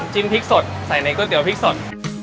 จิ้มพริกสดใส่ในก๋วยเตี๋ยวพริกสด